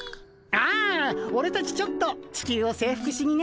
ああオレたちちょっとチキュウを征服しにね。